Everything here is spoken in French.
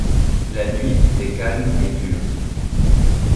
La nuit était calme et pure.